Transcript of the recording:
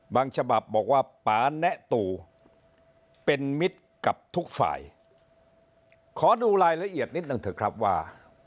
ฉบับบอกว่าป๊าแนะตู่เป็นมิตรกับทุกฝ่ายขอดูรายละเอียดนิดหนึ่งเถอะครับว่า